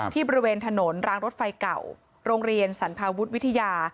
บริเวณถนนรางรถไฟเก่าโรงเรียนสรรพาวุฒิวิทยา